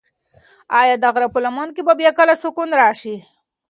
ایا د غره په لمن کې به بیا کله سکون راشي؟